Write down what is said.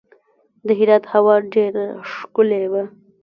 د هرات هوا ډیره ښکلې وه.